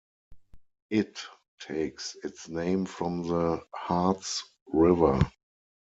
It takes its name from the Harts River.